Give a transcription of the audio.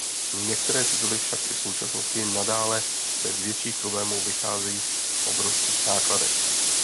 Některé tituly však i v současnosti nadále bez větších problémů vycházejí v obrovských nákladech.